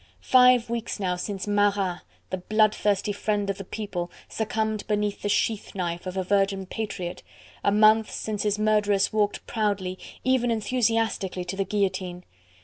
Five weeks now since Marat, the bloodthirsty Friend of the People, succumbed beneath the sheath knife of a virgin patriot, a month since his murderess walked proudly, even enthusiastically, to the guillotine!